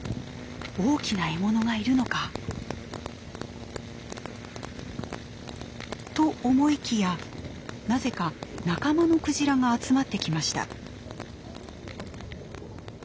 大きな獲物がいるのか。と思いきやなぜか仲間のクジラが集まってきました。